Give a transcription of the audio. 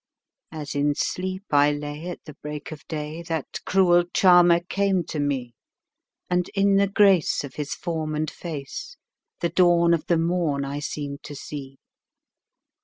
As in sleep I lay at the break of day that cruel charmer came to me, And in the grace of his form and face the dawn of the morn I seemed to see.